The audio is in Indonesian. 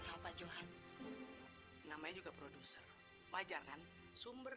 sekarang juga kamu keluar